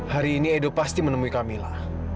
hari ini edo pasti menemui kamil